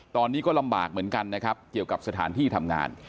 ตอนนี้ก็ลำบากเหมือนกันนะครับเกี่ยวกับสถานที่ทำงาน